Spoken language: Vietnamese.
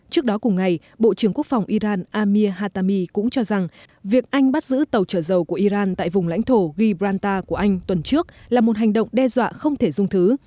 trước đó cùng ngày bộ trưởng quốc phòng iran amir hatami cũng cho rằng việc anh bắt giữ tàu trở dầu của iran tại vùng lãnh thổ gibraltar của anh tuần trước là một hành động đe dọa không thể dung thứ